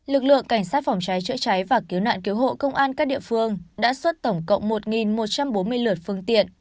lực lượng cảnh sát phòng cháy chữa cháy và cứu nạn cứu hộ công an các địa phương đã xuất tổng cộng một một trăm bốn mươi lượt phương tiện